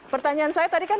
pertanyaan saya tadi kan